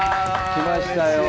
来ましたよ。